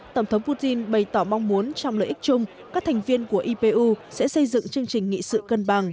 tổng thống putin bày tỏ mong muốn trong lợi ích chung các thành viên của ipu sẽ xây dựng chương trình nghị sự cân bằng